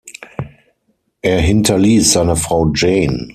Er hinterließ seine Frau Jane.